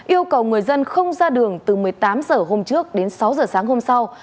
yêu cầu người dân không ra đường từ một mươi tám h hôm trước đến sáu h sáng hôm sau